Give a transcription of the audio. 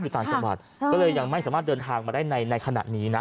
ต่างจังหวัดก็เลยยังไม่สามารถเดินทางมาได้ในขณะนี้นะ